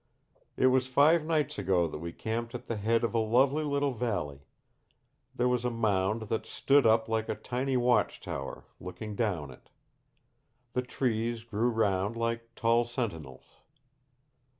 "It was five nights ago that we camped at the head of a lovely little valley. There was a mound that stood up like a tiny watch tower, looking down it. The trees grew round like tall sentinels.